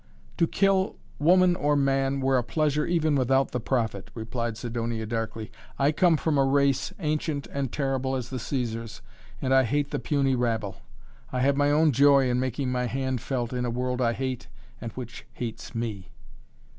"To kill woman or man were a pleasure even without the profit," replied Sidonia, darkly. "I come from a race, ancient and terrible as the Cæsars, and I hate the puny rabble. I have my own joy in making my hand felt in a world I hate and which hates me!"